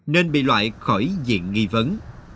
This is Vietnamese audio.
nên bị loại khỏi diện nghi vấn